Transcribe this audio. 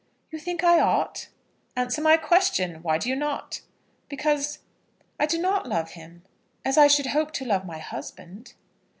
"You think I ought?" "Answer my question; why do you not?" "Because I do not love him as I should hope to love my husband."